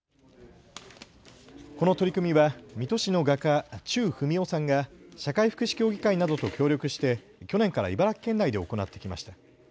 この取り組みは水戸市の画家、忠文夫さんが社会福祉協議会などと協力して去年から茨城県内で行ってきました。